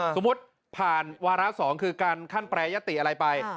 สมมุติผ่านวาระ๒คือการขั้นแปรยติอะไรไป